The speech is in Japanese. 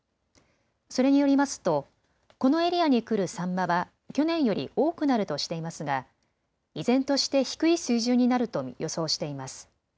それによりますとこのエリアに来るサンマは去年より多くなるとしていますが依然として低い水準になると予想しています。